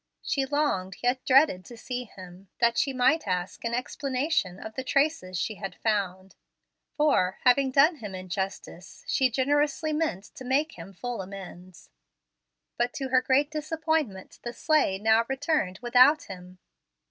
She longed yet dreaded to see him, that she might ask an explanation of the traces she had found; for, having done him injustice, she generously meant to make him full amends. But to her great disappointment the sleigh now returned without him.